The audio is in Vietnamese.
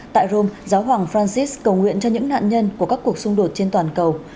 tại rome giáo hoàng francis cầu nguyện cho những nạn nhân của các cuộc xung đột trên toàn cầu